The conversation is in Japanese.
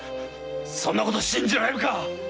そんなこと信じられるか！